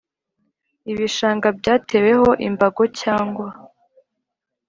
ibishanga byateweho imbago cyangwa